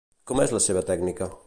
Com és la seva tècnica?